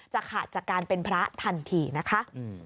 ขาดจากการเป็นพระทันทีนะคะ